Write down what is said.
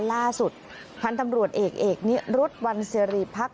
ล่าสุดพันธุ์ตำรวจเอกรถวันเซียรีย์พัก